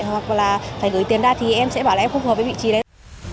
hoặc là phải gửi tiền ra thì em sẽ bảo là em không hợp với vị trí đấy